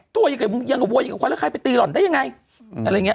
ตัวอย่างโมงกับควันและใครไปตีหล่อนได้อย่างไง